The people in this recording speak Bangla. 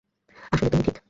আসলে, তুমিই ঠিক।